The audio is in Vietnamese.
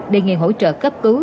đề nghị hỗ trợ cấp cứu